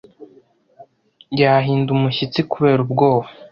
Yahinda umushyitsi kubera ubwoba